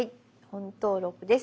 「本登録」です。